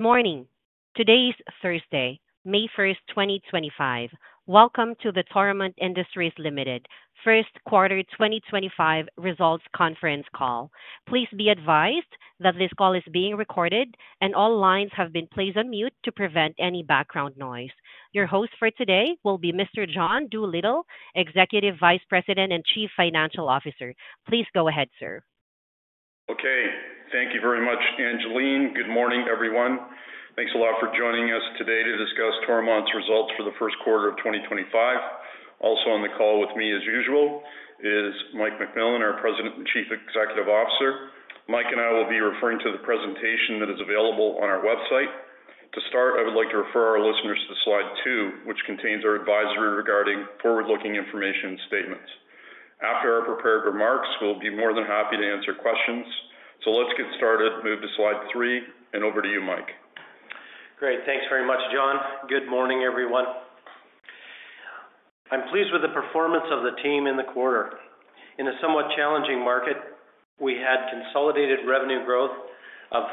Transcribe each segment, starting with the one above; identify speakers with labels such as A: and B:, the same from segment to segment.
A: Morning. Today is Thursday, May 1st, 2025. Welcome to the Toromont Industries Q1 2025 Results Conference Call. Please be advised that this call is being recorded, and all lines have been placed on mute to prevent any background noise. Your host for today will be Mr. John Doolittle, Executive Vice President and Chief Financial Officer. Please go ahead, sir.
B: Okay. Thank you very much, Angeline. Good morning, everyone. Thanks a lot for joining us today to discuss Toromont's results for the first quarter 2025. Also on the call with me, as usual, is Mike McMillan, our President and Chief Executive Officer. Mike and I will be referring to the presentation that is available on our website. To start, I would like to refer our listeners to Slide 2, which contains our advisory regarding forward-looking information statements. After our prepared remarks, we'll be more than happy to answer questions. Let's get started. Move to Slide 3, and over to you, Mike.
C: Great. Thanks very much, John Doolittle. Good morning, everyone. I'm pleased with the performance of the team in the quarter. In a somewhat challenging market, we had consolidated revenue growth of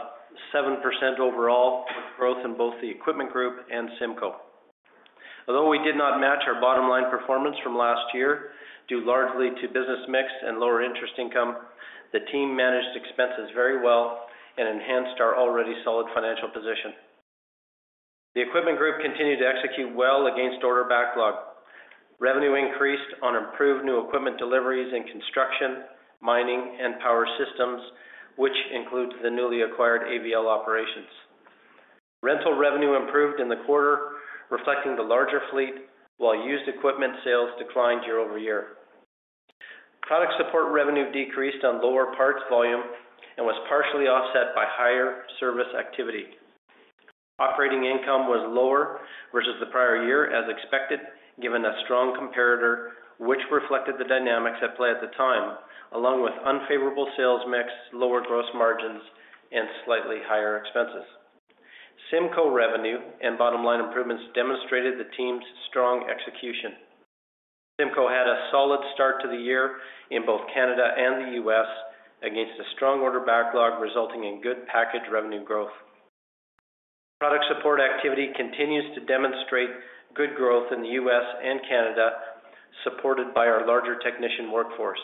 C: 7% overall, with growth in both the Equipment Group and CIMCO. Although we did not match our bottom-line performance from last year due largely to business mix and lower interest income, the team managed expenses very well and enhanced our already solid financial position. The Equipment Group continued to execute well against order backlog. Revenue increased on improved new equipment deliveries in construction, mining, and power systems, which includes the newly acquired GAL operations. Rental revenue improved in the quarter, reflecting the larger fleet, while used equipment sales declined year over year. Product support revenue decreased on lower parts volume and was partially offset by higher service activity. Operating income was lower versus the prior year, as expected, given a strong competitor, which reflected the dynamics at play at the time, along with unfavorable sales mix, lower gross margins, and slightly higher expenses. CIMCO revenue and bottom-line improvements demonstrated the team's strong execution. CIMCO had a solid start to the year in both Canada and the US, against a strong order backlog resulting in good package revenue growth. Product support activity continues to demonstrate good growth in the US and Canada, supported by our larger technician workforce.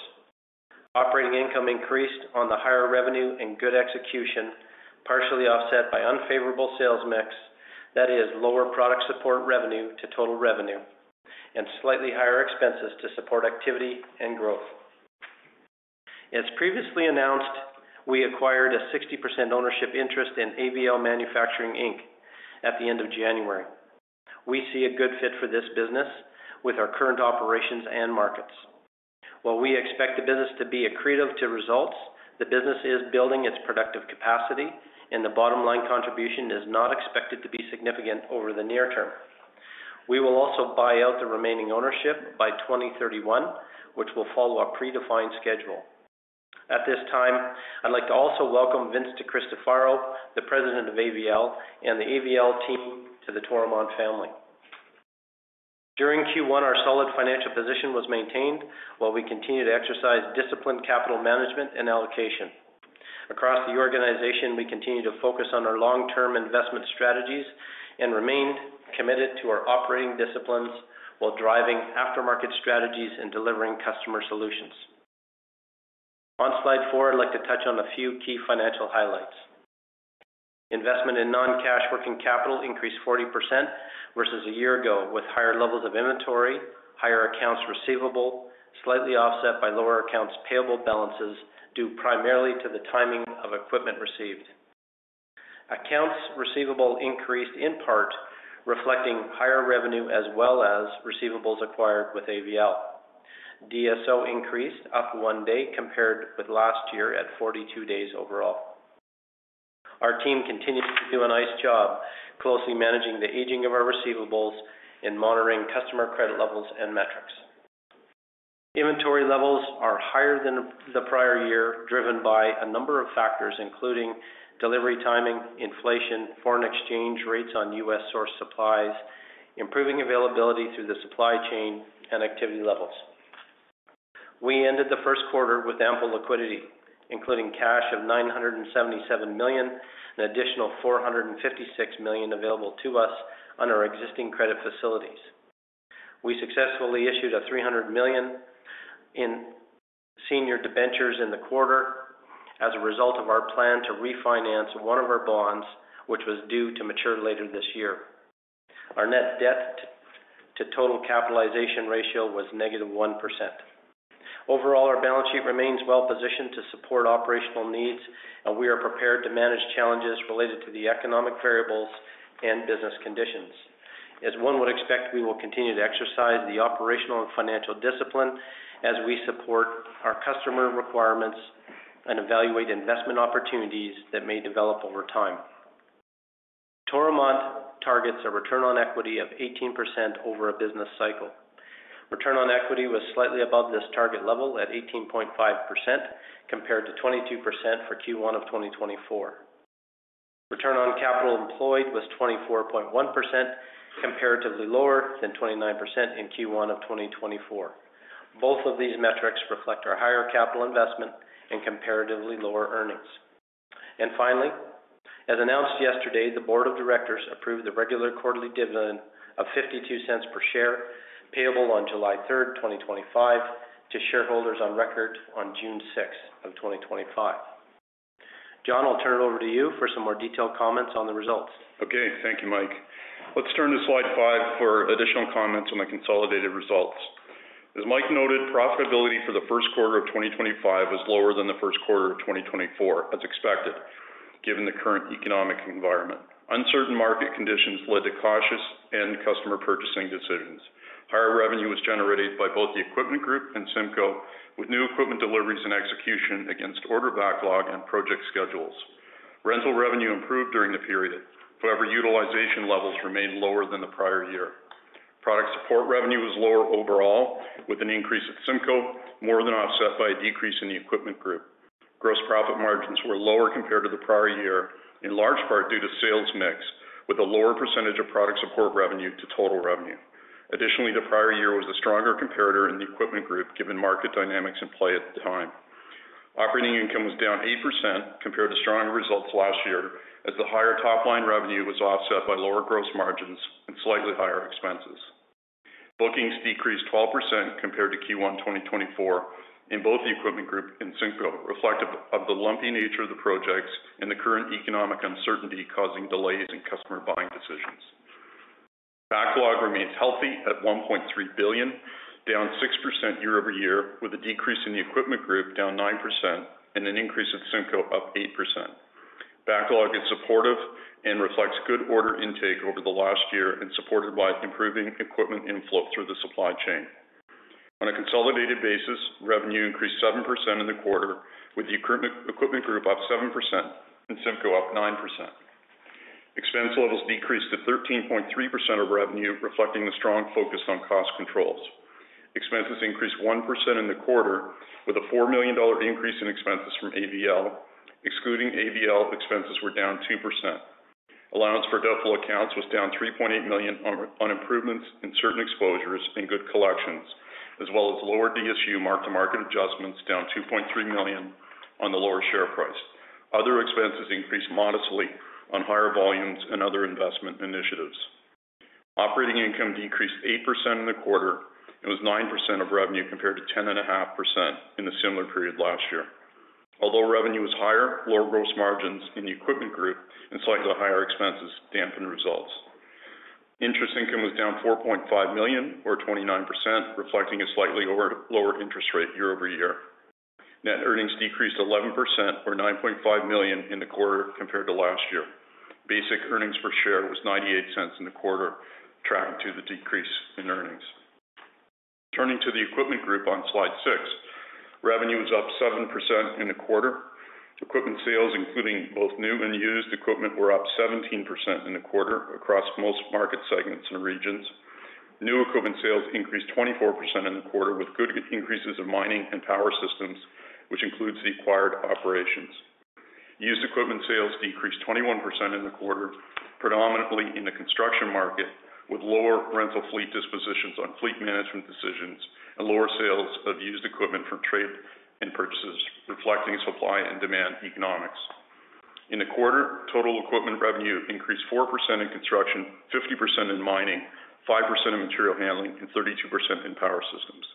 C: Operating income increased on the higher revenue and good execution, partially offset by unfavorable sales mix, that is, lower product support revenue to total revenue, and slightly higher expenses to support activity and growth. As previously announced, we acquired a 60% ownership interest in GAL Manufacturing at the end of January. We see a good fit for this business with our current operations and markets. While we expect the business to be accretive to results, the business is building its productive capacity, and the bottom-line contribution is not expected to be significant over the near term. We will also buy out the remaining ownership by 2031, which will follow a predefined schedule. At this time, I'd like to also welcome Vince DiCristofaro, the President of GAL and the GAL team, to the Toromont family. During Q1, our solid financial position was maintained while we continued to exercise disciplined capital management and allocation. Across the organization, we continued to focus on our long-term investment strategies and remained committed to our operating disciplines while driving aftermarket strategies and delivering customer solutions. On Slide 4, I'd like to touch on a few key financial highlights. Investment in non-cash working capital increased 40% versus a year ago, with higher levels of inventory, higher accounts receivable, slightly offset by lower accounts payable balances due primarily to the timing of equipment received. Accounts receivable increased in part, reflecting higher revenue as well as receivables acquired with GAL. DSO increased up one day compared with last year at 42 days overall. Our team continues to do a nice job closely managing the aging of our receivables and monitoring customer credit levels and metrics. Inventory levels are higher than the prior year, driven by a number of factors, including delivery timing, inflation, foreign exchange rates on US-sourced supplies, improving availability through the supply chain, and activity levels. We ended the Q1 with ample liquidity, including cash of 977 million and an additional 456 million available to us on our existing credit facilities. We successfully issued 300 million in senior debentures in the quarter as a result of our plan to refinance one of our bonds, which was due to mature later this year. Our net debt-to-total capitalization ratio was -1%. Overall, our balance sheet remains well-positioned to support operational needs, and we are prepared to manage challenges related to the economic variables and business conditions. As one would expect, we will continue to exercise the operational and financial discipline as we support our customer requirements and evaluate investment opportunities that may develop over time. Toromont targets a return on equity of 18% over a business cycle. Return on equity was slightly above this target level at 18.5% compared to 22% for Q1 of 2024. Return on capital employed was 24.1%, comparatively lower than 29% in Q1 of 2024. Both of these metrics reflect our higher capital investment and comparatively lower earnings. As announced yesterday, the Board of Directors approved the regular quarterly dividend of 0.52 per share payable on July 3, 2025, to shareholders on record on June 6, 2025. John Doolittle, I'll turn it over to you for some more detailed comments on the results.
B: Okay. Thank you, Mike. Let's turn to Slide 5 for additional comments on the consolidated results. As Mike noted, profitability for Q1 2025 was lower than Q1 2024, as expected, given the current economic environment. Uncertain market conditions led to cautious end-customer purchasing decisions. Higher revenue was generated by both the Equipment Group and CIMCO, with new equipment deliveries and execution against order backlog and project schedules. Rental revenue improved during the period, however, utilization levels remained lower than the prior year. Product support revenue was lower overall, with an increase at CIMCO, more than offset by a decrease in the Equipment Group. Gross profit margins were lower compared to the prior year, in large part due to sales mix, with a lower percentage of product support revenue to total revenue. Additionally, the prior year was a stronger competitor in the Equipment Group, given market dynamics in play at the time. Operating income was down 8% compared to stronger results last year, as the higher top-line revenue was offset by lower gross margins and slightly higher expenses. Bookings decreased 12% compared to Q1 2024 in both the Equipment Group and CIMCO, reflective of the lumpy nature of the projects and the current economic uncertainty causing delays in customer buying decisions. Backlog remains healthy at 1.3 billion, down 6% year over year, with a decrease in the Equipment Group down 9% and an increase at CIMCO up 8%. Backlog is supportive and reflects good order intake over the last year and supported by improving equipment inflow through the supply chain. On a consolidated basis, revenue increased 7% in the quarter, with the Equipment Group up 7% and CIMCO up 9%. Expense levels decreased to 13.3% of revenue, reflecting the strong focus on cost controls. Expenses increased 1% in the quarter, with a 4 million dollar increase in expenses from GAL. Excluding GAL, expenses were down 2%. Allowance for doubtful accounts was down 3.8 million on improvements in certain exposures and good collections, as well as lower DSU mark-to-market adjustments, down 2.3 million on the lower share price. Other expenses increased modestly on higher volumes and other investment initiatives. Operating income decreased 8% in the quarter and was 9% of revenue compared to 10.5% in the similar period last year. Although revenue was higher, lower gross margins in the Equipment Group and slightly higher expenses dampened results. Interest income was down 4.5 million, or 29%, reflecting a slightly lower interest rate year-over-year. Net earnings decreased 11%, or 9.5 million in the quarter compared to last year. Basic earnings per share was $0.98 in the quarter, tracking to the decrease in earnings. Turning to the Equipment Group on Slide 6, revenue was up 7% in the quarter. Equipment sales, including both new and used equipment, were up 17% in the quarter across most market segments and regions. New equipment sales increased 24% in the quarter, with good increases in mining and power systems, which includes the acquired operations. Used equipment sales decreased 21% in the quarter, predominantly in the construction market, with lower rental fleet dispositions on fleet management decisions and lower sales of used equipment from trade and purchases, reflecting supply and demand economics. In the quarter, total equipment revenue increased 4% in construction, 50% in mining, 5% in material handling, and 32% in power systems.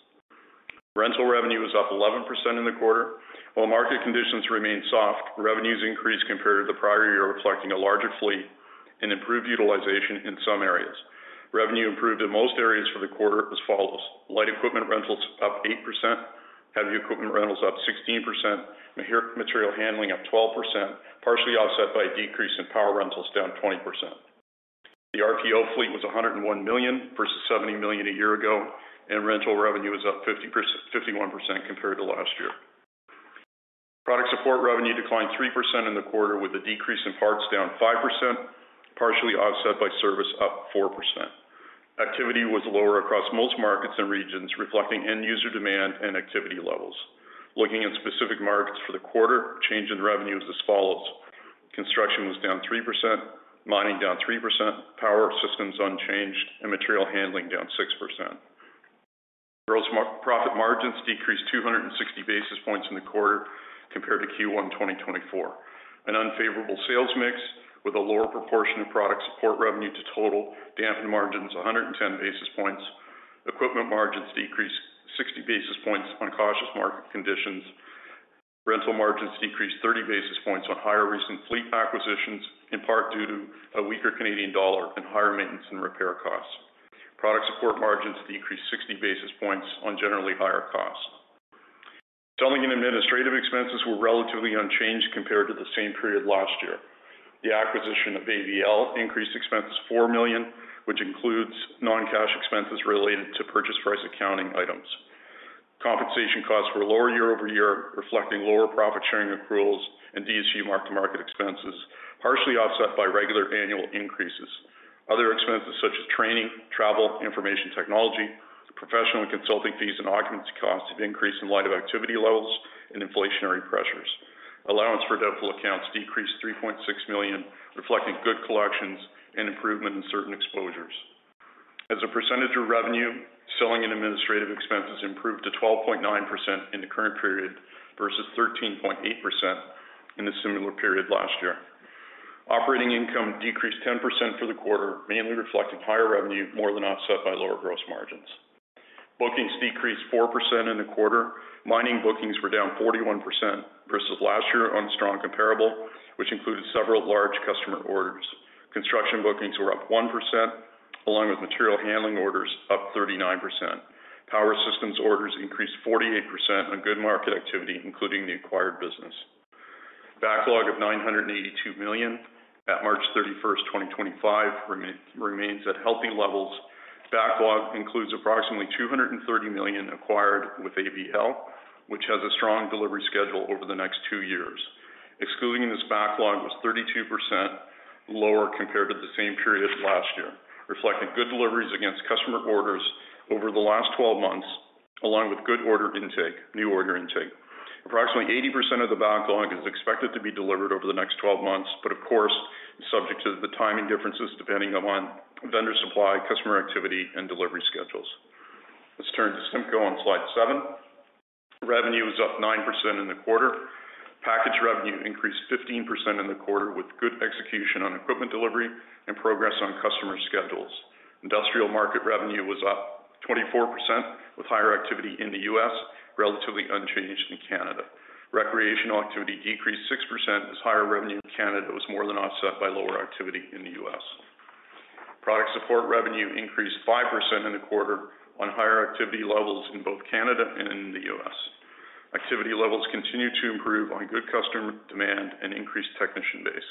B: Rental revenue was up 11% in the quarter. While market conditions remained soft, revenues increased compared to the prior year, reflecting a larger fleet and improved utilization in some areas. Revenue improved in most areas for the quarter as follows: light equipment rentals up 8%, heavy equipment rentals up 16%, material handling up 12%, partially offset by a decrease in power rentals, down 20%. The RPO fleet was 101 million versus 70 million a year ago, and rental revenue was up 51% compared to last year. Product support revenue declined 3% in the quarter, with a decrease in parts down 5%, partially offset by service up 4%. Activity was lower across most markets and regions, reflecting end-user demand and activity levels. Looking at specific markets for the quarter, change in revenue is as follows: construction was down 3%, mining down 3%, power systems unchanged, and material handling down 6%. Gross profit margins decreased 260 basis points in the quarter compared to Q1 2024. An unfavorable sales mix with a lower proportion of product support revenue to total dampened margins 110 basis points. Equipment margins decreased 60 basis points on cautious market conditions. Rental margins decreased 30 basis points on higher recent fleet acquisitions, in part due to a weaker CAD and higher maintenance and repair costs. Product support margins decreased 60 basis points on generally higher costs. Selling and administrative expenses were relatively unchanged compared to the same period last year. The acquisition of GAL increased expenses 4 million, which includes non-cash expenses related to purchase price accounting items. Compensation costs were lower year over year, reflecting lower profit-sharing accruals and DSU mark-to-market expenses, partially offset by regular annual increases. Other expenses, such as training, travel, information technology, professional and consulting fees and occupancy costs, have increased in light of activity levels and inflationary pressures. Allowance for doubtful accounts decreased 3.6 million, reflecting good collections and improvement in certain exposures. As a percentage of revenue, selling and administrative expenses improved to 12.9% in the current period versus 13.8% in the similar period last year. Operating income decreased 10% for the quarter, mainly reflecting higher revenue, more than offset by lower gross margins. Bookings decreased 4% in the quarter. Mining bookings were down 41% versus last year on strong comparable, which included several large customer orders. Construction bookings were up 1%, along with material handling orders up 39%. Power systems orders increased 48% on good market activity, including the acquired business. Backlog of 982 million at March 31, 2025, remains at healthy levels. Backlog includes approximately 230 million acquired with GAL, which has a strong delivery schedule over the next two years. Excluding this backlog, it was 32% lower compared to the same period last year, reflecting good deliveries against customer orders over the last 12 months, along with good order intake, new order intake. Approximately 80% of the backlog is expected to be delivered over the next 12 months, subject to the timing differences depending upon vendor supply, customer activity, and delivery schedules. Let's turn to CIMCO on Slide 7. Revenue was up 9% in the quarter. Package revenue increased 15% in the quarter, with good execution on equipment delivery and progress on customer schedules. Industrial market revenue was up 24%, with higher activity in the U.S., relatively unchanged in Canada. Recreational activity decreased 6% as higher revenue in Canada was more than offset by lower activity in the U.S. Product support revenue increased 5% in the quarter on higher activity levels in both Canada and in the U.S. Activity levels continue to improve on good customer demand and increased technician base.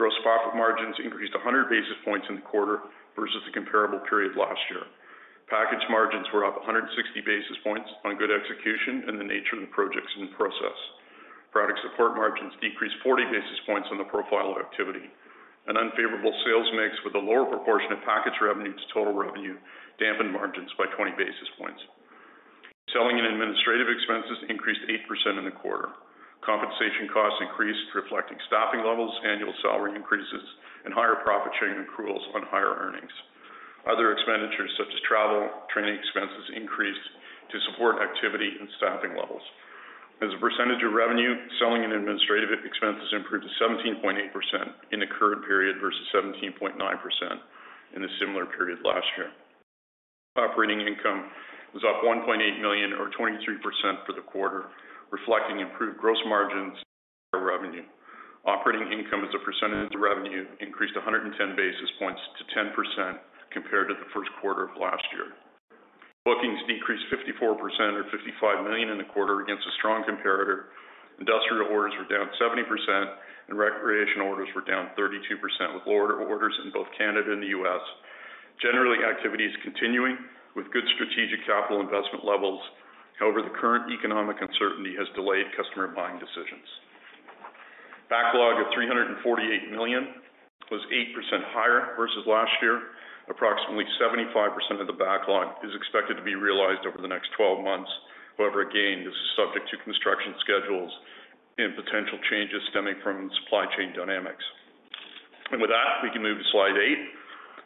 B: Gross profit margins increased 100 basis points in the quarter versus the comparable period last year. Package margins were up 160 basis points on good execution and the nature of the projects in process. Product support margins decreased 40 basis points on the profile of activity. An unfavorable sales mix with a lower proportion of package revenue to total revenue dampened margins by 20 basis points. Selling and administrative expenses increased 8% in the quarter. Compensation costs increased, reflecting staffing levels, annual salary increases, and higher profit-sharing accruals on higher earnings. Other expenditures, such as travel, training expenses, increased to support activity and staffing levels. As a percentage of revenue, selling and administrative expenses improved to 17.8% in the current period versus 17.9% in the similar period last year. Operating income was up $1.8 million, or 23% for the quarter, reflecting improved gross margins and higher revenue. Operating income as a percentage of revenue increased 110 basis points to 10% compared to the first quarter of last year. Bookings decreased 54%, or $55 million in the quarter, against a strong comparator. Industrial orders were down 70%, and recreation orders were down 32%, with lower orders in both Canada and the U.S. Generally, activity is continuing with good strategic capital investment levels. However, the current economic uncertainty has delayed customer buying decisions. Backlog of 348 million was 8% higher versus last year. Approximately 75% of the backlog is expected to be realized over the next 12 months. However, again, this is subject to construction schedules and potential changes stemming from supply chain dynamics. With that, we can move to Slide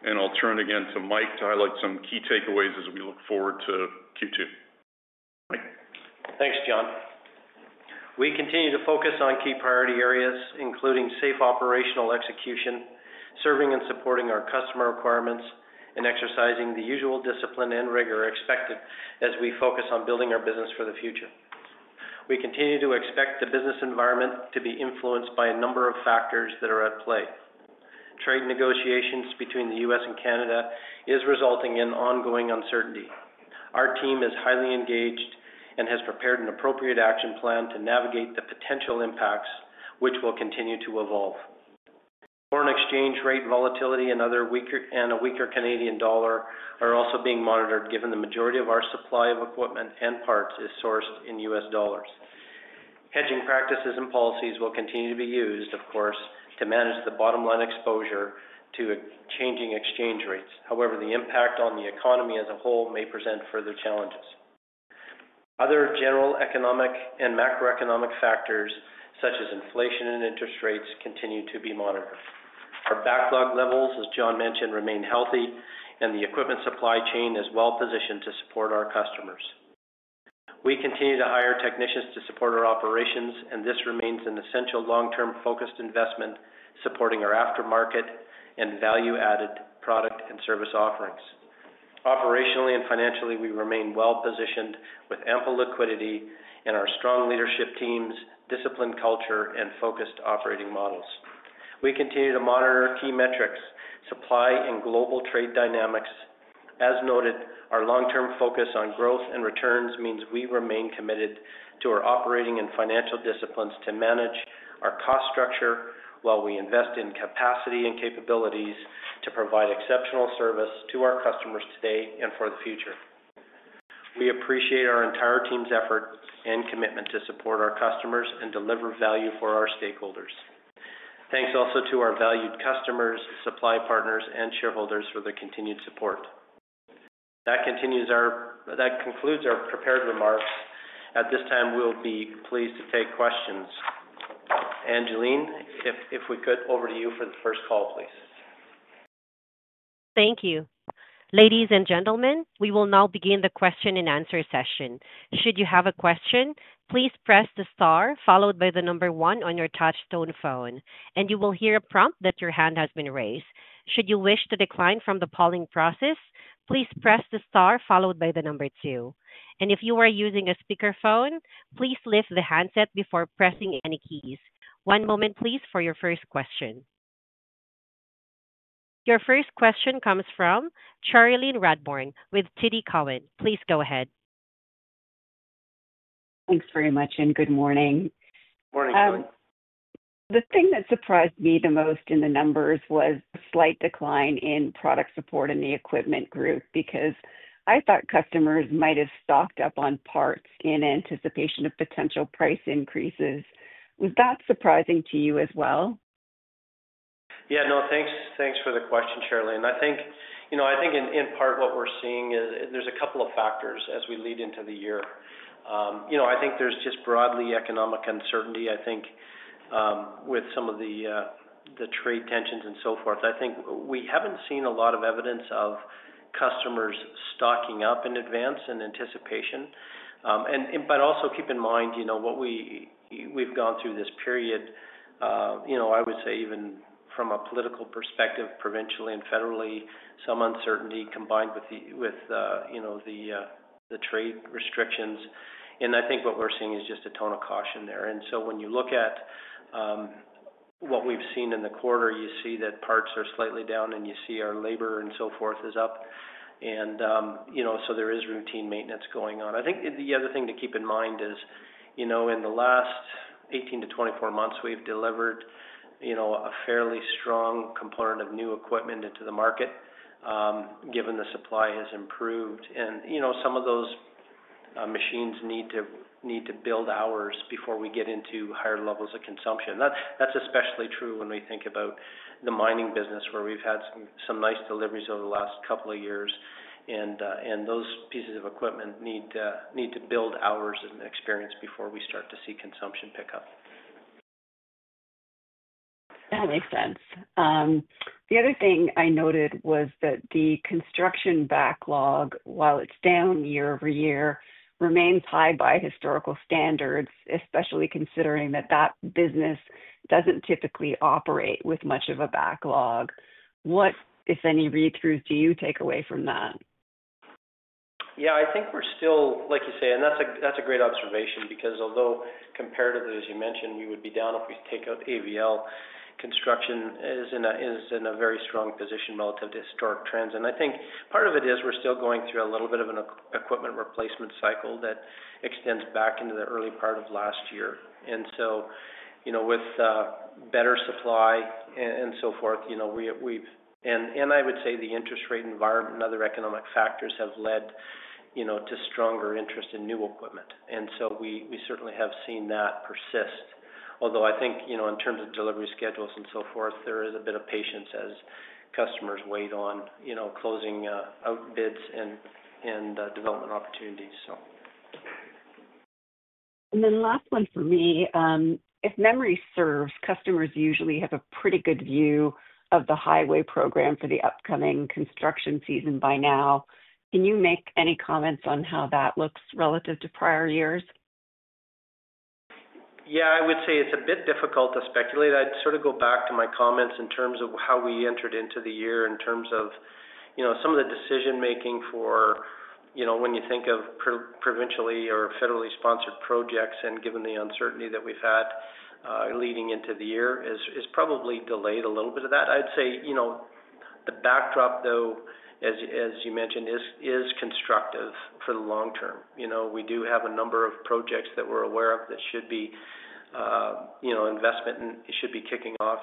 B: 8, and I'll turn again to Mike to highlight some key takeaways as we look forward to Q2. Mike.
C: Thanks, John Doolittle. We continue to focus on key priority areas, including safe operational execution, serving and supporting our customer requirements, and exercising the usual discipline and rigor expected as we focus on building our business for the future. We continue to expect the business environment to be influenced by a number of factors that are at play. Trade negotiations between the U.S., and Canada are resulting in ongoing uncertainty. Our team is highly engaged and has prepared an appropriate action plan to navigate the potential impacts, which will continue to evolve. Foreign exchange rate volatility and a weaker Canadian dollar are also being monitored, given the majority of our supply of equipment and parts is sourced in U.S., dollars. Hedging practices and policies will continue to be used, of course, to manage the bottom line exposure to changing exchange rates. However, the impact on the economy as a whole may present further challenges. Other general economic and macroeconomic factors, such as inflation and interest rates, continue to be monitored. Our backlog levels, as John Doolittle mentioned, remain healthy, and the equipment supply chain is well positioned to support our customers. We continue to hire technicians to support our operations, and this remains an essential long-term focused investment, supporting our aftermarket and value-added product and service offerings. Operationally and financially, we remain well positioned with ample liquidity and our strong leadership teams, disciplined culture, and focused operating models. We continue to monitor key metrics, supply, and global trade dynamics. As noted, our long-term focus on growth and returns means we remain committed to our operating and financial disciplines to manage our cost structure while we invest in capacity and capabilities to provide exceptional service to our customers today and for the future. We appreciate our entire team's effort and commitment to support our customers and deliver value for our stakeholders. Thanks also to our valued customers, supply partners, and shareholders for their continued support. That concludes our prepared remarks. At this time, we'll be pleased to take questions. Angeline, if we could, over to you for the first call, please.
A: Thank you. Ladies and gentlemen, we will now begin the question and answer session. Should you have a question, please press the star followed by the number one on your touch-tone phone, and you will hear a prompt that your hand has been raised. Should you wish to decline from the polling process, please press the star followed by the number two. If you are using a speakerphone, please lift the handset before pressing any keys. One moment, please, for your first question. Your first question comes from Cherilyn Radbourne with TD Cowen. Please go ahead.
D: Thanks very much, and good morning.
C: Morning, John Doolittle.
D: The thing that surprised me the most in the numbers was a slight decline in product support in the Equipment Group because I thought customers might have stocked up on parts in anticipation of potential price increases. Was that surprising to you as well?
C: Yeah, no, thanks for the question, Cherilyn Radbourne. I think in part what we're seeing is there's a couple of factors as we lead into the year. I think there's just broadly economic uncertainty, I think, with some of the trade tensions and so forth. I think we haven't seen a lot of evidence of customers stocking up in advance in anticipation. Also keep in mind what we've gone through this period, I would say even from a political perspective, provincially and federally, some uncertainty combined with the trade restrictions. I think what we're seeing is just a tone of caution there. When you look at what we've seen in the quarter, you see that parts are slightly down, and you see our labor and so forth is up. There is routine maintenance going on. I think the other thing to keep in mind is in the last 18 to 24 months, we've delivered a fairly strong component of new equipment into the market, given the supply has improved. Some of those machines need to build hours before we get into higher levels of consumption. That's especially true when we think about the mining business, where we've had some nice deliveries over the last couple of years. Those pieces of equipment need to build hours and experience before we start to see consumption pick up.
D: That makes sense. The other thing I noted was that the construction backlog, while it's down year over year, remains high by historical standards, especially considering that that business doesn't typically operate with much of a backlog. What, if any, read-through do you take away from that?
C: Yeah, I think we're still, like you say, and that's a great observation because although comparatively, as you mentioned, we would be down if we take out GAL, construction is in a very strong position relative to historic trends. I think part of it is we're still going through a little bit of an equipment replacement cycle that extends back into the early part of last year. With better supply and so forth, we've—I would say the interest rate environment and other economic factors have led to stronger interest in new equipment. We certainly have seen that persist. I think in terms of delivery schedules and so forth, there is a bit of patience as customers wait on closing out bids and development opportunities.
D: Last one for me. If memory serves, customers usually have a pretty good view of the highway program for the upcoming construction season by now. Can you make any comments on how that looks relative to prior years?
C: Yeah, I would say it's a bit difficult to speculate. I'd sort of go back to my comments in terms of how we entered into the year in terms of some of the decision-making for when you think of provincially or federally sponsored projects, and given the uncertainty that we've had leading into the year, is probably delayed a little bit of that. I would say the backdrop, though, as you mentioned, is constructive for the long term. We do have a number of projects that we're aware of that should be investment, and it should be kicking off.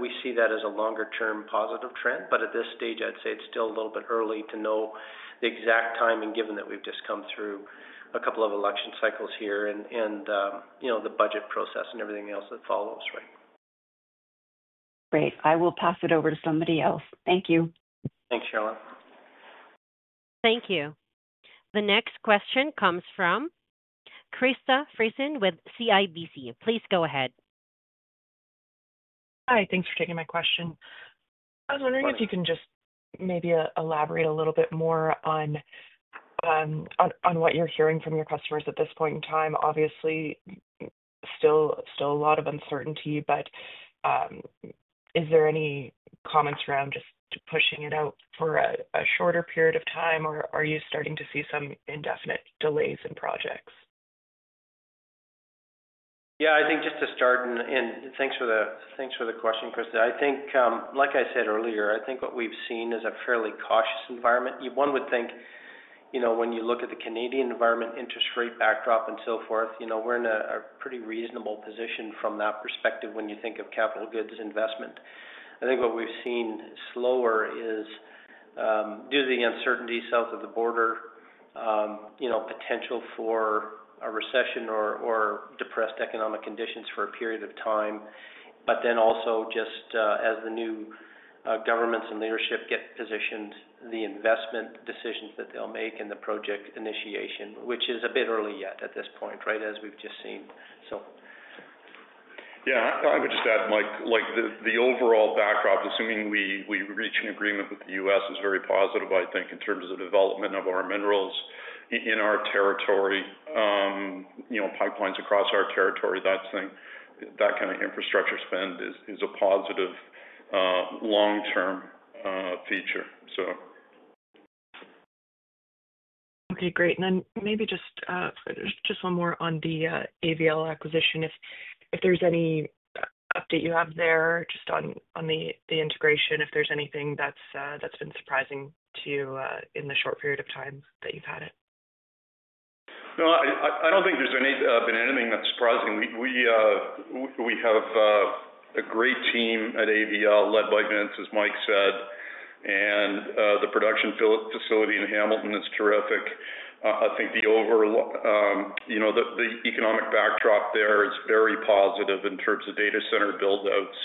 C: We see that as a longer-term positive trend. At this stage, I'd say it's still a little bit early to know the exact timing, given that we've just come through a couple of election cycles here and the budget process and everything else that follows, right?
D: Great. I will pass it over to somebody else. Thank you.
C: Thanks, Cherilyn Radbourne.
A: Thank you. The next question comes from Krista Friesen with CIBC. Please go ahead.
E: Hi, thanks for taking my question. I was wondering if you can just maybe elaborate a little bit more on what you're hearing from your customers at this point in time. Obviously, still a lot of uncertainty, but is there any comments around just pushing it out for a shorter period of time, or are you starting to see some indefinite delays in projects?
C: Yeah, I think just to start, and thanks for the question, Krista. I think, like I said earlier, I think what we've seen is a fairly cautious environment. One would think when you look at the Canadian environment, interest rate backdrop, and so forth, we're in a pretty reasonable position from that perspective when you think of capital goods investment. I think what we've seen slower is due to the uncertainty south of the border, potential for a recession or depressed economic conditions for a period of time. Also, just as the new governments and leadership get positioned, the investment decisions that they'll make and the project initiation, which is a bit early yet at this point, right, as we've just seen.
B: Yeah, I would just add, Mike, the overall backdrop, assuming we reach an agreement with the U.S., is very positive, I think, in terms of the development of our minerals in our territory, pipelines across our territory, that kind of infrastructure spend is a positive long-term feature.
E: Okay, great. Maybe just one more on the GAL acquisition, if there's any update you have there just on the integration, if there's anything that's been surprising to you in the short period of time that you've had it.
B: No, I don't think there's been anything that's surprising. We have a great team at GAL led by Vince, as Mike said, and the production facility in Hamilton is terrific. I think the economic backdrop there is very positive in terms of data center buildouts,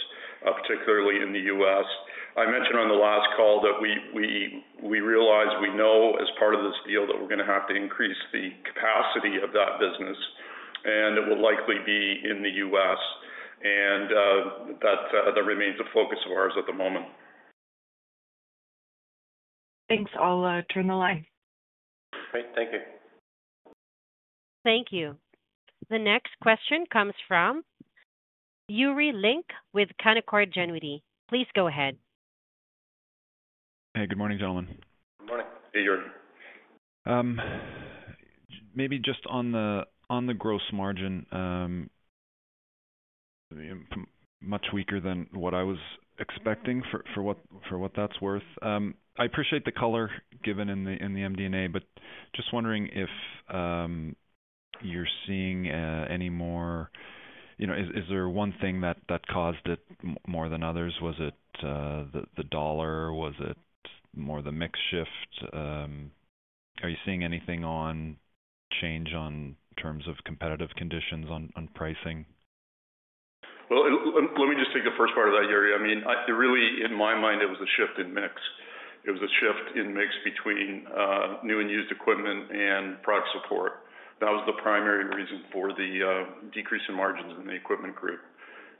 B: particularly in the US. I mentioned on the last call that we realize we know as part of this deal that we're going to have to increase the capacity of that business, and it will likely be in the US. That remains a focus of ours at the moment.
E: Thanks. I'll turn the line.
C: Great. Thank you.
A: Thank you. The next question comes from Yuri Lynk with Canaccord Genuity. Please go ahead.
F: Hey, good morning, gentlemen.
C: Good morning. Hey, Jordan.
F: Maybe just on the gross margin, much weaker than what I was expecting for what that's worth. I appreciate the color given in the MD&A, but just wondering if you're seeing any more—is there one thing that caused it more than others? Was it the dollar? Was it more the mix shift? Are you seeing anything on change in terms of competitive conditions on pricing?
B: Let me just take the first part of that, Yuri. I mean, really, in my mind, it was a shift in mix. It was a shift in mix between new and used equipment and product support. That was the primary reason for the decrease in margins in the Equipment Group.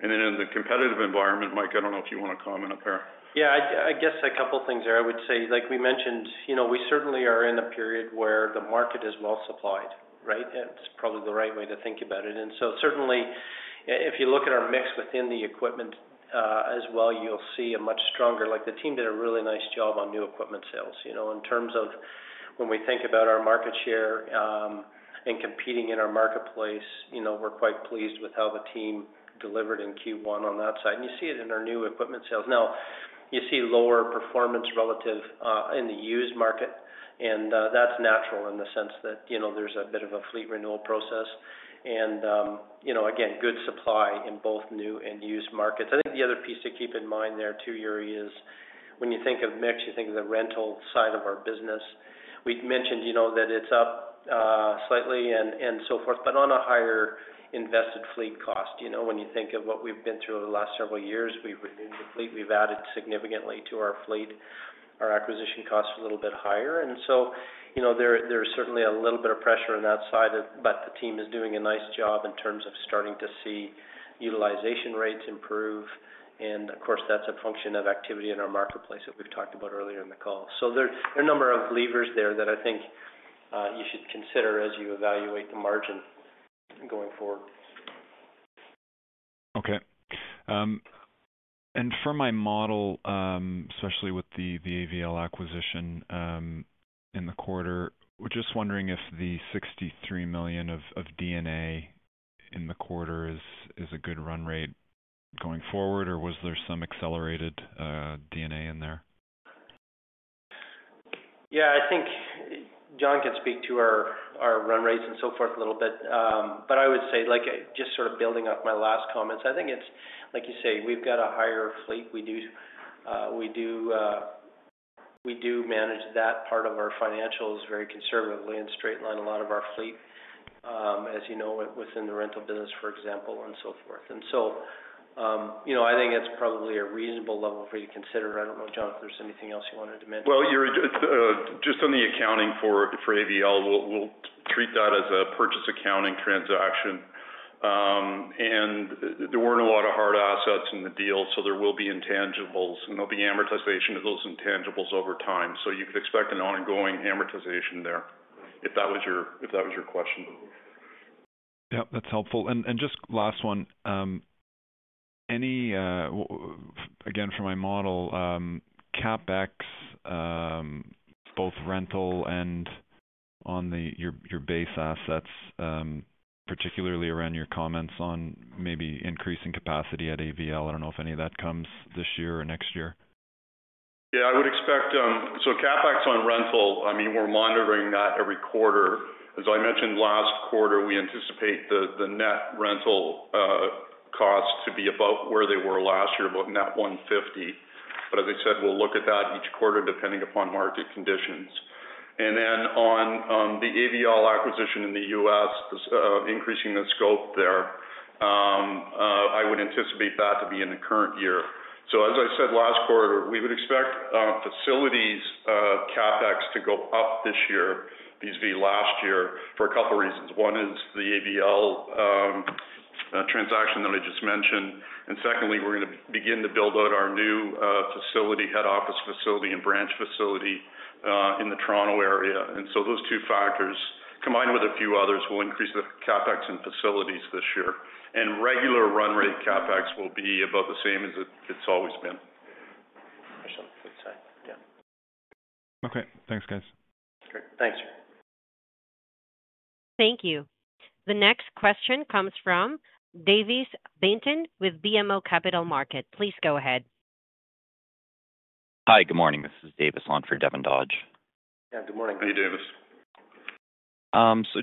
B: In the competitive environment, Mike, I do not know if you want to comment on that.
C: Yeah, I guess a couple of things there. I would say, like we mentioned, we certainly are in a period where the market is well supplied, right? It's probably the right way to think about it. If you look at our mix within the equipment as well, you'll see a much stronger—like the team did a really nice job on new equipment sales. In terms of when we think about our market share and competing in our marketplace, we're quite pleased with how the team delivered in Q1 on that side. You see it in our new equipment sales. You see lower performance relative in the used market, and that's natural in the sense that there's a bit of a fleet renewal process. Again, good supply in both new and used markets. I think the other piece to keep in mind there too, Yuri, is when you think of mix, you think of the rental side of our business. We mentioned that it's up slightly and so forth, but on a higher invested fleet cost. When you think of what we've been through over the last several years, we've renewed the fleet. We've added significantly to our fleet. Our acquisition costs are a little bit higher. There is certainly a little bit of pressure on that side, but the team is doing a nice job in terms of starting to see utilization rates improve. Of course, that's a function of activity in our marketplace that we've talked about earlier in the call. There are a number of levers there that I think you should consider as you evaluate the margin going forward.
F: Okay. For my model, especially with the GAL acquisition in the quarter, just wondering if the 63 million of D&A in the quarter is a good run rate going forward, or was there some accelerated D&A in there?
C: Yeah, I think John Doolittle can speak to our run rates and so forth a little bit. I would say, just sort of building off my last comments, I think it's, like you say, we've got a higher fleet. We do manage that part of our financials very conservatively and straighten out a lot of our fleet, you know, within the rental business, for example, and so forth. I think it's probably a reasonable level for you to consider. I don't know, John Doolittle, if there's anything else you wanted to mention.
B: Yuri, just on the accounting for GAL, we'll treat that as a purchase accounting transaction. There weren't a lot of hard assets in the deal, so there will be intangibles, and there'll be amortization of those intangibles over time. You could expect an ongoing amortization there if that was your question.
F: Yep, that's helpful. Just last one. Again, for my model, CapEx, both rental and on your base assets, particularly around your comments on maybe increasing capacity at GAL. I don't know if any of that comes this year or next year.
B: Yeah, I would expect so. CapEx on rental, I mean, we're monitoring that every quarter. As I mentioned last quarter, we anticipate the net rental cost to be about where they were last year, about net 150 million. As I said, we'll look at that each quarter depending upon market conditions. On the GAL acquisition in the US, increasing the scope there, I would anticipate that to be in the current year. As I said last quarter, we would expect facilities CapEx to go up this year versus last year for a couple of reasons. One is the GAL transaction that I just mentioned. Secondly, we're going to begin to build out our new facility, head office facility and branch facility in the Toronto area. Those two factors, combined with a few others, will increase the CapEx in facilities this year. Regular run rate CapEx will be about the same as it's always been.
C: For uncertain, yeah.
F: Okay. Thanks, guys.
C: Okay. Thanks, sir.
A: Thank you. The next question comes from Davis Baynton with BMO Capital Markets. Please go ahead.
G: Hi, good morning. This is Davis on for Devin Dodge.
C: Yeah, good morning.
B: Hey, Davis.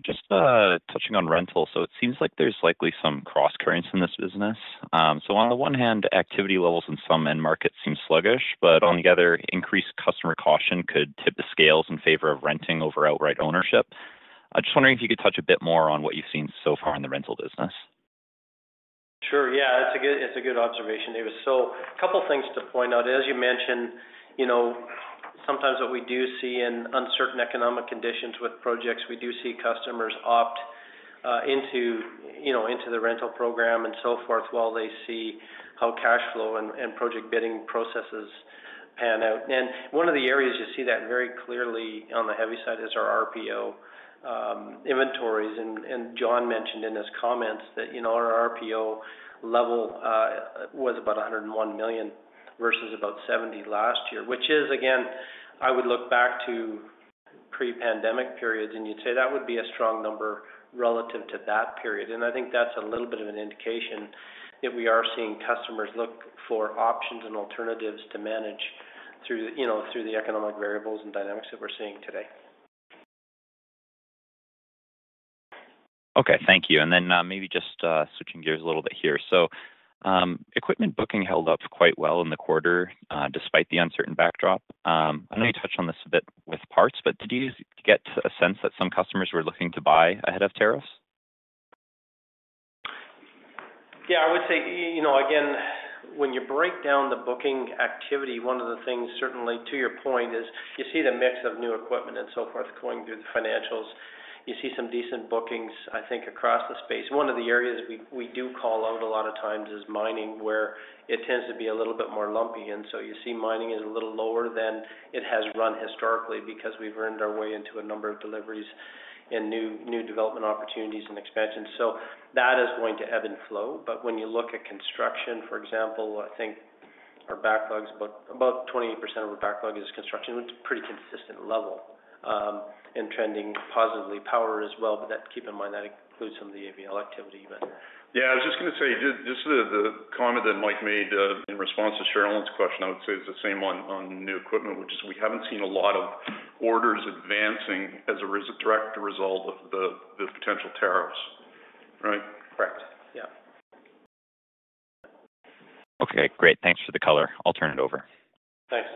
H: Just touching on rental, it seems like there's likely some cross currents in this business. On the one hand, activity levels in some end markets seem sluggish, but on the other, increased customer caution could tip the scales in favor of renting over outright ownership. I'm just wondering if you could touch a bit more on what you've seen so far in the rental business.
C: Sure. Yeah, it's a good observation, Davis. A couple of things to point out. As you mentioned, sometimes what we do see in uncertain economic conditions with projects, we do see customers opt into the rental program and so forth while they see how cash flow and project bidding processes pan out. One of the areas you see that very clearly on the heavy side is our RPO inventories. John Doolittle mentioned in his comments that our RPO level was about 101 million versus about 70 million last year, which is, again, I would look back to pre-pandemic periods, and you'd say that would be a strong number relative to that period. I think that's a little bit of an indication that we are seeing customers look for options and alternatives to manage through the economic variables and dynamics that we're seeing today.
H: Okay, thank you. Maybe just switching gears a little bit here. Equipment booking held up quite well in the quarter despite the uncertain backdrop. I know you touched on this a bit with parts, but did you get a sense that some customers were looking to buy ahead of tariffs?
C: Yeah, I would say, again, when you break down the booking activity, one of the things certainly to your point is you see the mix of new equipment and so forth going through the financials. You see some decent bookings, I think, across the space. One of the areas we do call out a lot of times is mining, where it tends to be a little bit more lumpy. You see mining is a little lower than it has run historically because we've earned our way into a number of deliveries and new development opportunities and expansions. That is going to ebb and flow. When you look at construction, for example, I think our backlog is about 28% of our backlog is construction, which is a pretty consistent level and trending positively. Power as well, but keep in mind that includes some of the GAL activity even.
B: Yeah, I was just going to say just the comment that Mike made in response to Sheryl's question, I would say it's the same on new equipment, which is we haven't seen a lot of orders advancing as a direct result of the potential tariffs, right?
C: Correct. Yeah.
G: Okay, great. Thanks for the color. I'll turn it over.
C: Thanks.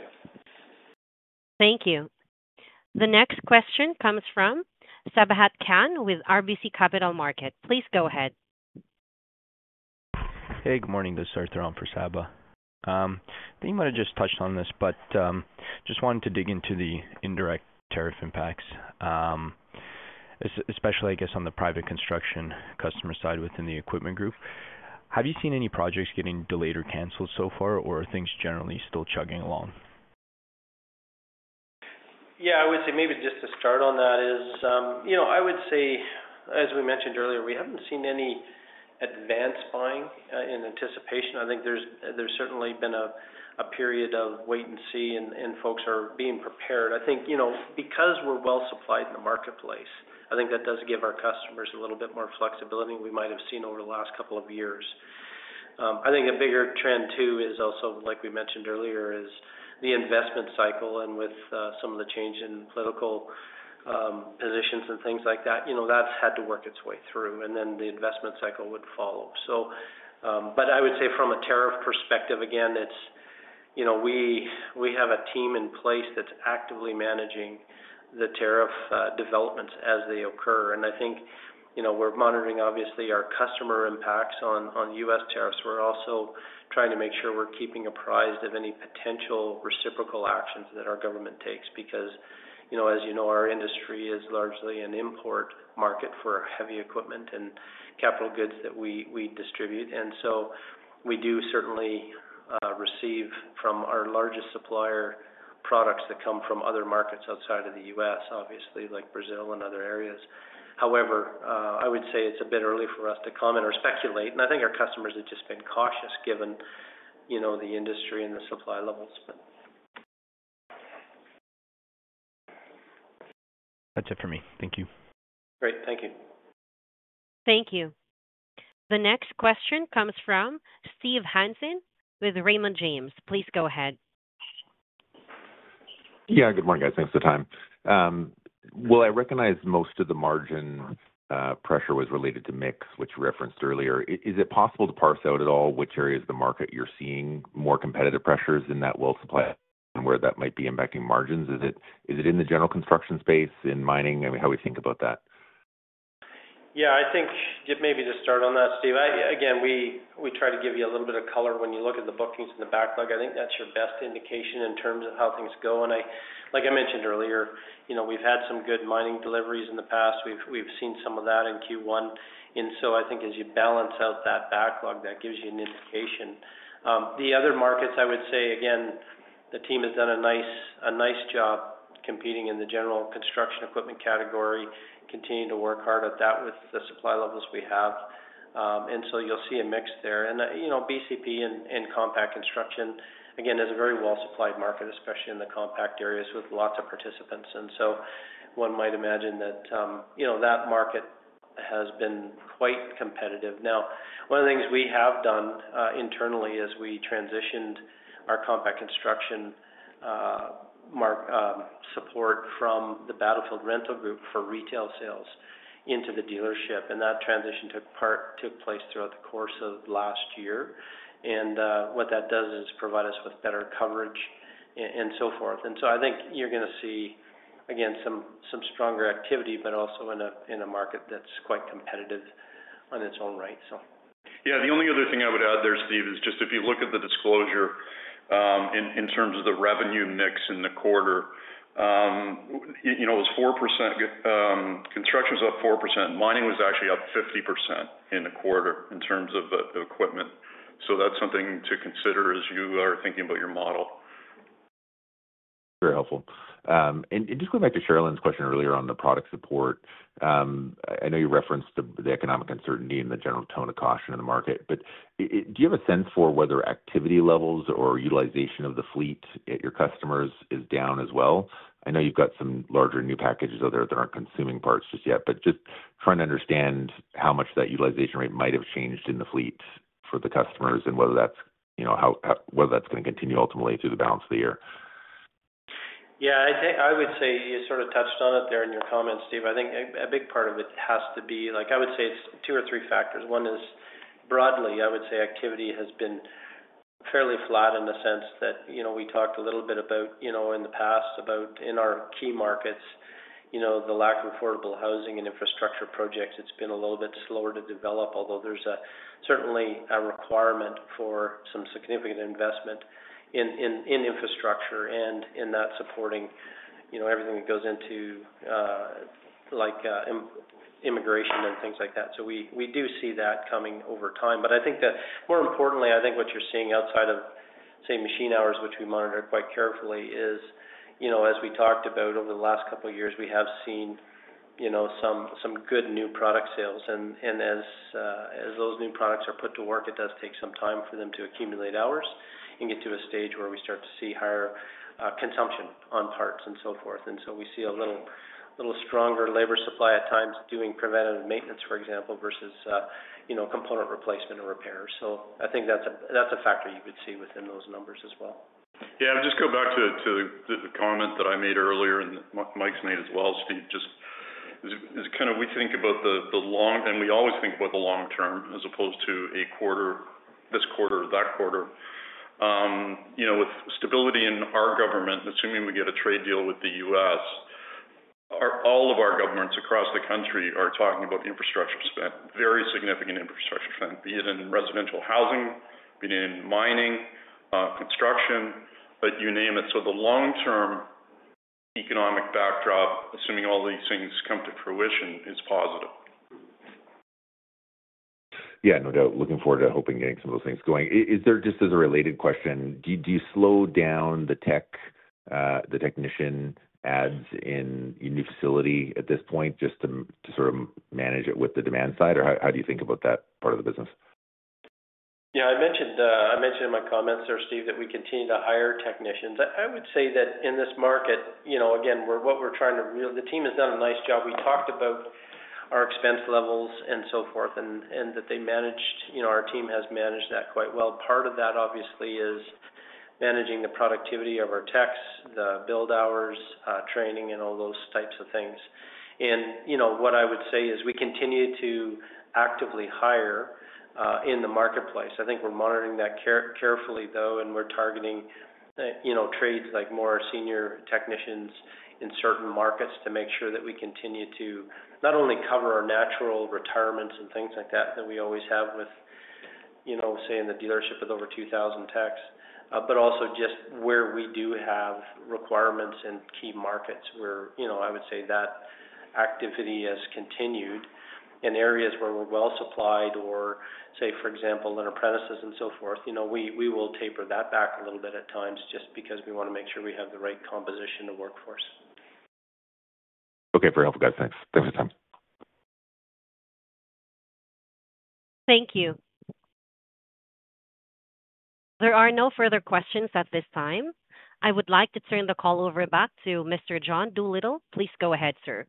A: Thank you. The next question comes from Sabahat Khan with RBC Capital Markets. Please go ahead.
I: Hey, good morning. This is Arthur on for Sabah. I think you might have just touched on this, but just wanted to dig into the indirect tariff impacts, especially, I guess, on the private construction customer side within the Equipment Group. Have you seen any projects getting delayed or canceled so far, or are things generally still chugging along?
C: Yeah, I would say maybe just to start on that is I would say, as we mentioned earlier, we haven't seen any advanced buying in anticipation. I think there's certainly been a period of wait and see, and folks are being prepared. I think because we're well supplied in the marketplace, I think that does give our customers a little bit more flexibility than we might have seen over the last couple of years. I think a bigger trend too is also, like we mentioned earlier, is the investment cycle. With some of the change in political positions and things like that, that's had to work its way through, and then the investment cycle would follow. I would say from a tariff perspective, again, we have a team in place that's actively managing the tariff developments as they occur. I think we're monitoring, obviously, our customer impacts on US tariffs. We're also trying to make sure we're keeping apprised of any potential reciprocal actions that our government takes because, as you know, our industry is largely an import market for heavy equipment and capital goods that we distribute. We do certainly receive from our largest supplier products that come from other markets outside of the US, obviously, like Brazil and other areas. However, I would say it's a bit early for us to comment or speculate. I think our customers have just been cautious given the industry and the supply levels.
I: That's it for me. Thank you.
C: Great. Thank you.
A: Thank you. The next question comes from Steve Hansen with Raymond James. Please go ahead.
J: Yeah, good morning, guys. Thanks for the time. I recognize most of the margin pressure was related to mix, which you referenced earlier. Is it possible to parse out at all which areas of the market you're seeing more competitive pressures in that well supply and where that might be impacting margins? Is it in the general construction space, in mining? I mean, how do we think about that?
C: Yeah, I think maybe to start on that, Steve, again, we try to give you a little bit of color when you look at the bookings and the backlog. I think that's your best indication in terms of how things go. Like I mentioned earlier, we've had some good mining deliveries in the past. We've seen some of that in Q1. I think as you balance out that backlog, that gives you an indication. The other markets, I would say, again, the team has done a nice job competing in the general construction equipment category, continuing to work hard at that with the supply levels we have. You'll see a mix there. BCP and compact construction, again, is a very well supplied market, especially in the compact areas with lots of participants. One might imagine that that market has been quite competitive. Now, one of the things we have done internally is we transitioned our compact construction support from the Battlefield Rental Group for retail sales into the dealership. That transition took place throughout the course of last year. What that does is provide us with better coverage and so forth. I think you're going to see, again, some stronger activity, but also in a market that's quite competitive on its own right.
B: Yeah, the only other thing I would add there, Steve, is just if you look at the disclosure in terms of the revenue mix in the quarter, it was 4%. Construction was up 4%. Mining was actually up 50% in the quarter in terms of equipment. That is something to consider as you are thinking about your model.
J: That's very helpful. Just going back to Sheryl's question earlier on the product support, I know you referenced the economic uncertainty and the general tone of caution in the market, but do you have a sense for whether activity levels or utilization of the fleet at your customers is down as well? I know you've got some larger new packages out there that aren't consuming parts just yet, but just trying to understand how much that utilization rate might have changed in the fleet for the customers and whether that's going to continue ultimately through the balance of the year.
C: Yeah, I would say you sort of touched on it there in your comments, Steve. I think a big part of it has to be, I would say, it's two or three factors. One is, broadly, I would say activity has been fairly flat in the sense that we talked a little bit about in the past about, in our key markets, the lack of affordable housing and infrastructure projects. It's been a little bit slower to develop, although there is certainly a requirement for some significant investment in infrastructure and in that, supporting everything that goes into immigration and things like that. We do see that coming over time. I think that, more importantly, what you're seeing outside of, say, machine hours, which we monitor quite carefully, is, as we talked about over the last couple of years, we have seen some good new product sales. As those new products are put to work, it does take some time for them to accumulate hours and get to a stage where we start to see higher consumption on parts and so forth. We see a little stronger labor supply at times doing preventative maintenance, for example, versus component replacement or repairs. I think that's a factor you could see within those numbers as well.
B: Yeah, I'll just go back to the comment that I made earlier and Mike's made as well, Steve, just is kind of we think about the long and we always think about the long term as opposed to a quarter, this quarter, that quarter. With stability in our government, assuming we get a trade deal with the US, all of our governments across the country are talking about infrastructure spend, very significant infrastructure spend, be it in residential housing, be it in mining, construction, but you name it. The long-term economic backdrop, assuming all these things come to fruition, is positive.
J: Yeah, no doubt. Looking forward to hoping getting some of those things going. Just as a related question, do you slow down the technician adds in your new facility at this point just to sort of manage it with the demand side? Or how do you think about that part of the business?
C: Yeah, I mentioned in my comments there, Steve, that we continue to hire technicians. I would say that in this market, again, what we're trying to, the team has done a nice job. We talked about our expense levels and so forth and that they managed, our team has managed that quite well. Part of that, obviously, is managing the productivity of our techs, the build hours, training, and all those types of things. What I would say is we continue to actively hire in the marketplace. I think we're monitoring that carefully, though, and we're targeting trades like more senior technicians in certain markets to make sure that we continue to not only cover our natural retirements and things like that that we always have with, say, in the dealership with over 2,000 techs, but also just where we do have requirements in key markets where I would say that activity has continued in areas where we're well supplied or, say, for example, in apprentices and so forth, we will taper that back a little bit at times just because we want to make sure we have the right composition of workforce.
J: Okay, very helpful, guys. Thanks. Thanks for your time.
A: Thank you. There are no further questions at this time. I would like to turn the call over back to Mr. John Doolittle. Please go ahead, sir.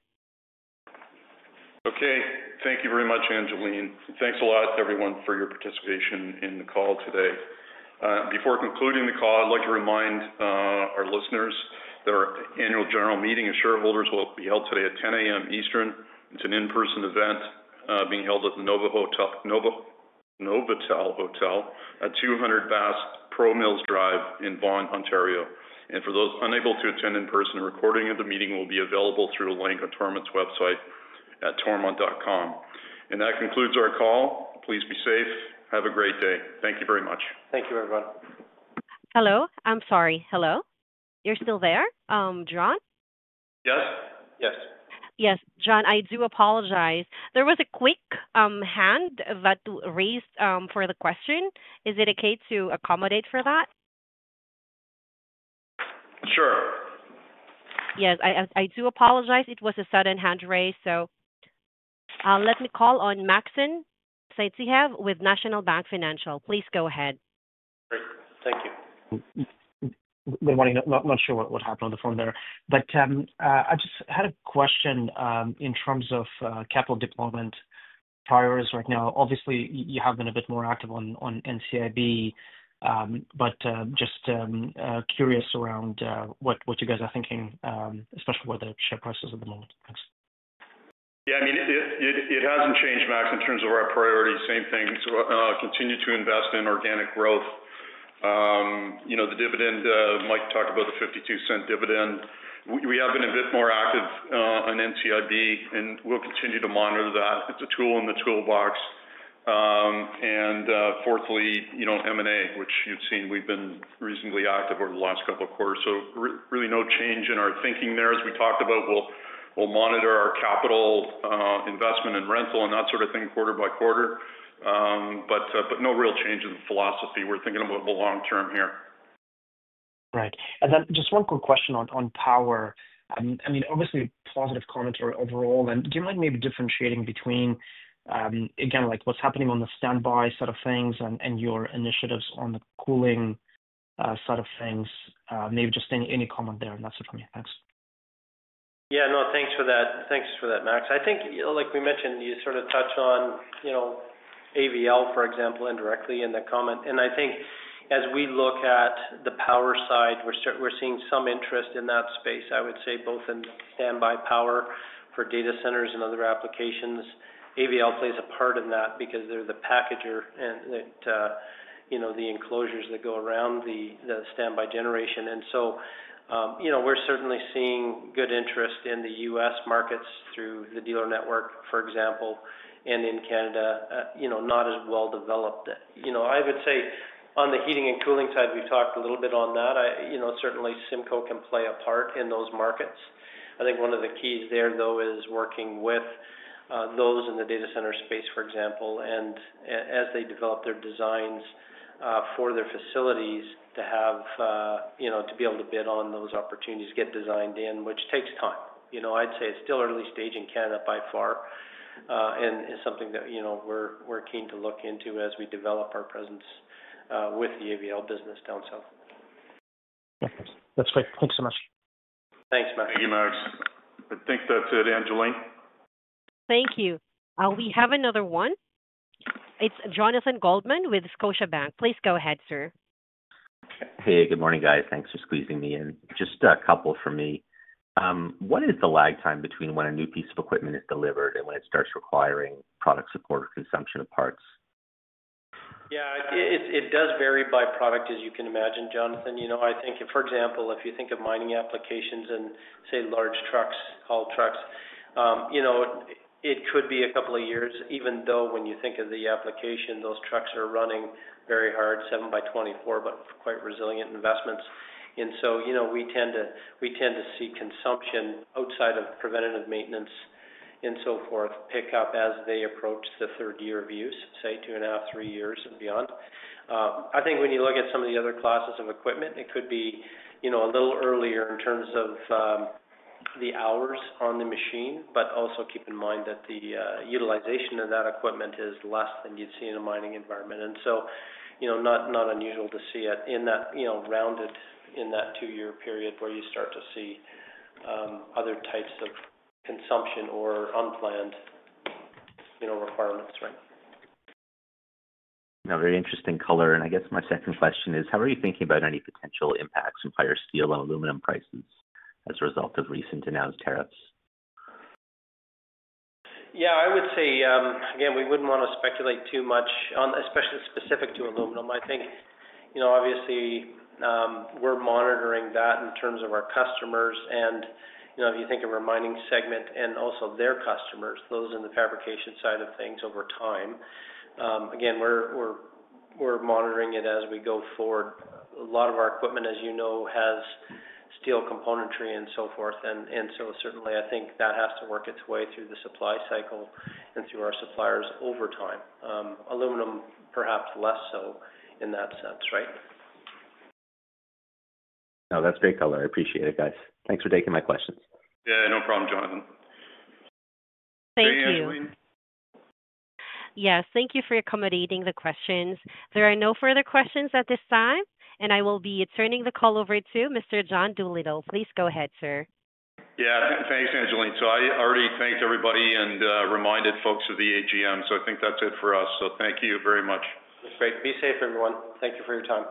B: Okay. Thank you very much, Angeline. Thanks a lot, everyone, for your participation in the call today. Before concluding the call, I'd like to remind our listeners that our annual general meeting of shareholders will be held today at 10:00 A.M. Eastern. It's an in-person event being held at the Novotel Hotel at 200 Bass Pro Mills Drive in Vaughan, Ontario. For those unable to attend in person, a recording of the meeting will be available through the Toromont website at toromont.com. That concludes our call. Please be safe. Have a great day. Thank you very much.
C: Thank you, everyone.
A: Hello. I'm sorry. Hello? You're still there? John Doolittle?
B: Yes.
C: Yes.
A: Yes. John, I do apologize. There was a quick hand that raised for the question. Is it okay to accommodate for that?
B: Sure.
A: Yes. I do apologize. It was a sudden hand raised. Let me call on Maxim Sytchev with National Bank Financial. Please go ahead.
C: Great. Thank you.
K: Good morning. Not sure what happened on the phone there. I just had a question in terms of capital deployment priorities right now. Obviously, you have been a bit more active on NCIB, just curious around what you guys are thinking, especially with the share prices at the moment. Thanks.
B: Yeah, I mean, it hasn't changed, Max, in terms of our priorities. Same thing. Continue to invest in organic growth. The dividend, Mike talked about the $0.52 dividend. We have been a bit more active on NCIB, and we'll continue to monitor that. It's a tool in the toolbox. Fourthly, M&A, which you've seen we've been reasonably active over the last couple of quarters. Really no change in our thinking there, as we talked about. We'll monitor our capital investment and rental and that sort of thing quarter by quarter, but no real change in the philosophy. We're thinking about the long term here.
K: Right. And then just one quick question on power. I mean, obviously, positive comments overall. Do you mind maybe differentiating between, again, what's happening on the standby side of things and your initiatives on the cooling side of things? Maybe just any comment there, and that's it from me. Thanks.
C: Yeah, no, thanks for that. Thanks for that, Max. I think, like we mentioned, you sort of touched on GAL, for example, indirectly in the comment. I think as we look at the power side, we're seeing some interest in that space, I would say, both in standby power for data centers and other applications. GAL plays a part in that because they're the packager and the enclosures that go around the standby generation. We are certainly seeing good interest in the U.S., markets through the dealer network, for example, and in Canada, not as well developed. I would say on the heating and cooling side, we've talked a little bit on that. Certainly, CIMCO can play a part in those markets. I think one of the keys there, though, is working with those in the data center space, for example, and as they develop their designs for their facilities to have to be able to bid on those opportunities, get designed in, which takes time. I'd say it's still early stage in Canada by far and is something that we're keen to look into as we develop our presence with the GAL business down south.
K: That's great. Thanks so much.
C: Thanks, Max.
B: Thank you, Max. I think that's it, Angeline.
A: Thank you. We have another one. It's Jonathan Goldman with Scotiabank. Please go ahead, sir.
B: Hey, good morning, guys. Thanks for squeezing me in. Just a couple for me. What is the lag time between when a new piece of equipment is delivered and when it starts requiring product support or consumption of parts?
C: Yeah, it does vary by product, as you can imagine, Jonathan. I think, for example, if you think of mining applications and, say, large trucks, haul trucks, it could be a couple of years, even though when you think of the application, those trucks are running very hard, 7 by 24, but quite resilient investments. We tend to see consumption outside of preventative maintenance and so forth pick up as they approach the third year of use, say, two and a half, three years and beyond. I think when you look at some of the other classes of equipment, it could be a little earlier in terms of the hours on the machine, but also keep in mind that the utilization of that equipment is less than you'd see in a mining environment. It is not unusual to see it rounded in that two-year period where you start to see other types of consumption or unplanned requirements, right?
L: Now, very interesting color. I guess my second question is, how are you thinking about any potential impacts in higher steel and aluminum prices as a result of recent and now's tariffs?
C: Yeah, I would say, again, we wouldn't want to speculate too much, especially specific to aluminum. I think, obviously, we're monitoring that in terms of our customers. If you think of our mining segment and also their customers, those in the fabrication side of things over time, again, we're monitoring it as we go forward. A lot of our equipment, as you know, has steel componentry and so forth. Certainly, I think that has to work its way through the supply cycle and through our suppliers over time. Aluminum, perhaps less so in that sense, right?
L: No, that's great color. I appreciate it, guys. Thanks for taking my questions. Yeah, no problem, Jonathan.
A: Thank you.
C: Thank you, Angeline.
A: Yes, thank you for accommodating the questions. There are no further questions at this time, and I will be turning the call over to Mr. John Doolittle. Please go ahead, sir.
B: Yeah, thanks, Angeline. I already thanked everybody and reminded folks of the AGM. I think that's it for us. Thank you very much.
C: Great. Be safe, everyone. Thank you for your time.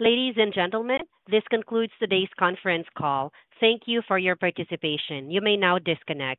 A: Ladies and gentlemen, this concludes today's conference call. Thank you for your participation. You may now disconnect.